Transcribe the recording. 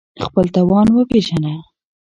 خپل توان وپېژنه